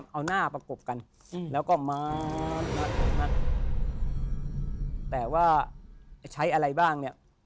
เอาหน้ากลัวแล้วก็มามัดใช้อะไรบ้าง